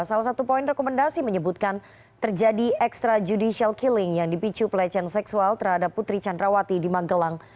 salah satu poin rekomendasi menyebutkan terjadi extrajudicial killing yang dipicu pelecehan seksual terhadap putri candrawati di magelang